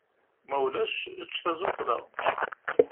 Ma ulac, ečč tazuḍla.